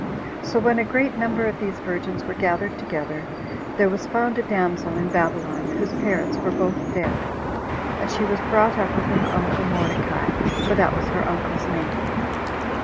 So when a great number of these virgins were gathered together, there was found a damsel in Babylon, whose parents were both dead, and she was brought up with her uncle Mordecai, for that was her uncle's name.